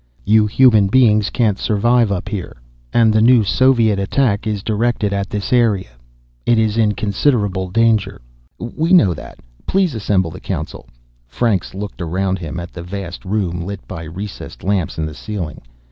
"You human beings can't survive up here. And the new Soviet attack is directed at this area. It is in considerable danger." "We know that. Please assemble the Council." Franks looked around him at the vast room, lit by recessed lamps in the ceiling.